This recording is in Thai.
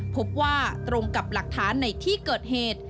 พบว่าตรงกับหลักฐานในที่เกิดเหตุ